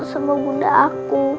sama bunda aku